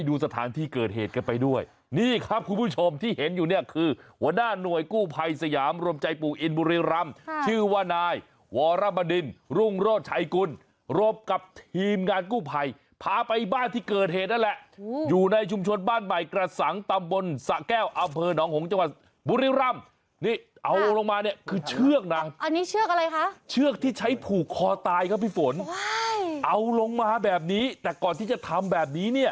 อย่างครับคุณผู้ชมที่เห็นอยู่เนี่ยคือวัดหน้าหน่วยกู้ภัยสยามรมใจปู่อินบุริรามชื่อว่านายวรบฬินรุงโรชชัยกุลรบกับทีมงานกู้ภัยพาไปบ้านที่เกิดเหตุนั้นแหละอยู่ในชุมชนบ้านใหม่กระสังตำบลสะแก้วอำเภอหนองหงค์จังหวัดบุริรามนี่เอาลงมาเนี่ยคือเชือกนะอันนี้เช